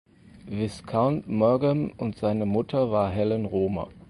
Viscount Maugham und seine Mutter war Helen Romer.